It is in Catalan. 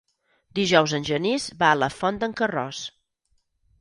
Dijous en Genís va a la Font d'en Carròs.